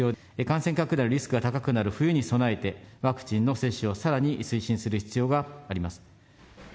感染拡大のリスクが高くなる冬に備えて、ワクチンの接種をさらに推進する必要があります。